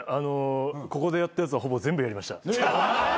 ここでやったやつはほぼ全部やりました。